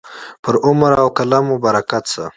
پر عمر او قلم مو برکت شه.